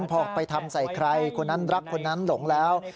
พอไปทำใส่ใครคนนั้นรักคนนั้นหลงแล้ว